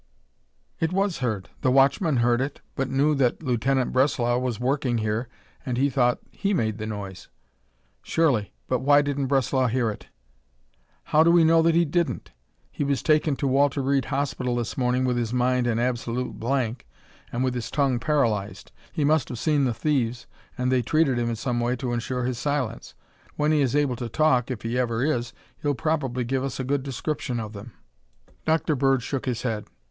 "It was heard. The watchman heard it, but knew that Lieutenant Breslau was working here and he thought that he made the noise." "Surely, but why didn't Breslau hear it?" "How do we know that he didn't? He was taken to Walter Reed Hospital this morning with his mind an absolute blank and with his tongue paralyzed. He must have seen the thieves and they treated him in some way to ensure his silence. When he is able to talk, if he ever is, he'll probably give us a good description of them." Dr. Bird shook his head.